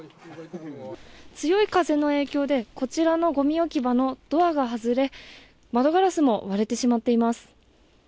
強い風の影響で、こちらのごみ置き場のドアが外れ、窓ガラスも割れてしまっています。